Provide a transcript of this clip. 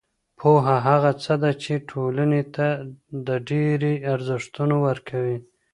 پوهه هغه څه ده چې ټولنې ته د ډېری ارزښتونه ورکوي.